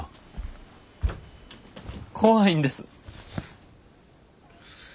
怖いんです。